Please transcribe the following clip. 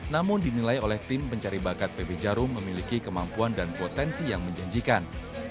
namun dinilai oleh tim pencari bakat pb jarum memiliki kemampuan dan potensi yang menjanjikan